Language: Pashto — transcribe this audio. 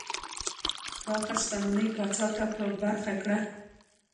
پراخه شتمنۍ پاچا ته په برخه کړه.